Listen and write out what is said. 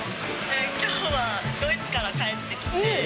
きょうはドイツから帰ってきて。